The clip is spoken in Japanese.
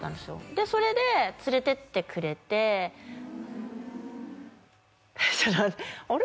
でそれで連れていってくれてちょっと待ってあれ？